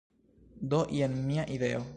Do, jen mia ideo!